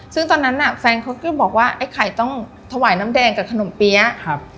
ซึ่งตอนนั้นน่ะแฟนเขาก็บอกว่าไอ้ไข่ต้องถวายน้ำแดงกับขนมเปี๊ยะครับ